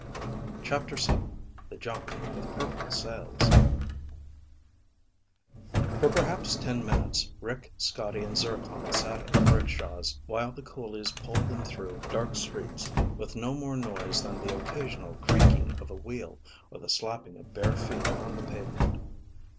CHAPTER VII The Junk with Purple Sails For perhaps ten minutes Rick, Scotty, and Zircon sat in the rickshaws while the coolies pulled them through dark streets with no more noise than the occasional creaking of a wheel or the slapping of bare feet on the pavement.